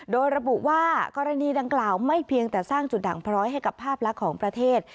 โดยระบุว่ากรณีดังกล่าวไม่เพียงแต่สร้างจุดด่างพร้อยให้กับภาพลักษณ์ของประเทศ